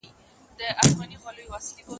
د ګوربت او د بازانو به مېله سوه